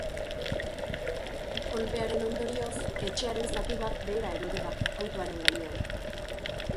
Kolpearen ondorioz, etxearen zati bat behera erori da, autoaren gainean.